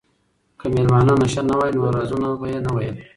که مېلمانه نشه نه وای نو رازونه به یې نه ویل.